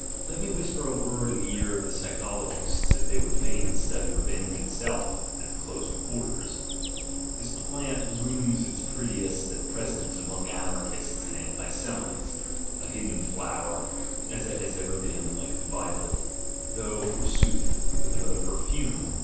Let me whisper a word in the ear of the psychologists, if they would fain study revenge itself at close quarters: this plant blooms its prettiest at present among Anarchists and anti Semites, a hidden flower, as it has ever been, like 62 THE GENEALOGY OF MORALS the violet, though, forsooth, with another perfume.